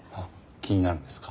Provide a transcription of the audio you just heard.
気になるんですか？